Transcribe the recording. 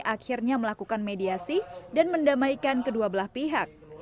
akhirnya melakukan mediasi dan mendamaikan kedua belah pihak